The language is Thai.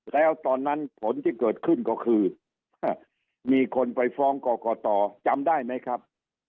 แล้วตอนนั้นผลที่เกิดขึ้นก็คือมีคนไปฟ้องกรกตจำได้ไหมครับ